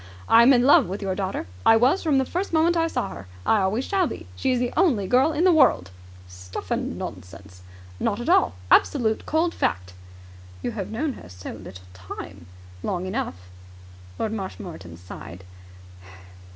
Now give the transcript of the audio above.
I am in love with your daughter. I was from the first moment I saw her. I always shall be. She is the only girl in the world!" "Stuff and nonsense!" "Not at all. Absolute, cold fact." "You have known her so little time." "Long enough." Lord Marshmoreton sighed.